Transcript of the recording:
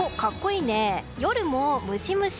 夜もムシムシ。